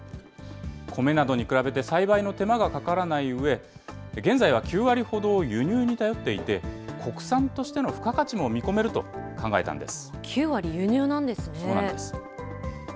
コメなどに比べて栽培の手間がかからないうえ、現在は９割ほどを輸入に頼っていて、国産としての付加価値も見込めると考えたんです。